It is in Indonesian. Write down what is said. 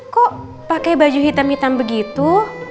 kok pakai baju hitam hitam begitu